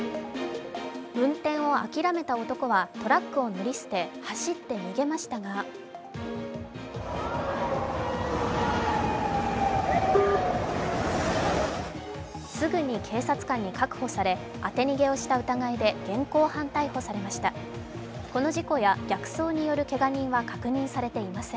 運転を諦めた男は、トラックを乗り捨て、走って逃げましたがすぐに警察官に確保され当て逃げをした疑いで現行犯逮捕されました。